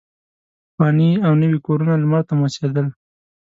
پخواني او نوي کورونه لمر ته موسېدل.